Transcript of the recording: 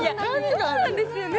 そうなんですよね